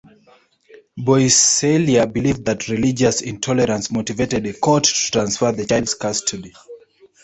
Boisselier believed that religious intolerance motivated a court to transfer the child's custody.